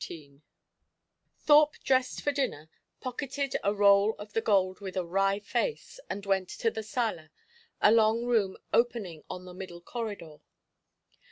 XVIII Thorpe dressed for dinner, pocketed a roll of the gold with a wry face, and went to the sala, a long room opening on the middle corridor.